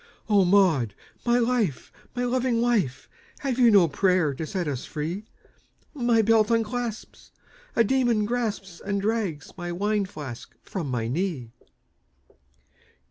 "O Maud, my life! my loving wife! Have you no prayer to set us free? My belt unclasps, a demon grasps And drags my wine flask from my knee!"